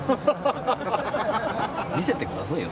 見せてくださいよ。